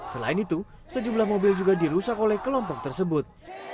selain itu sejumlah mobil juga dirusak oleh kelompok tersebut